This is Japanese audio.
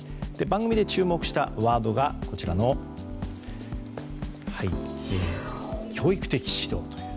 番組で注目したワードが教育的指導。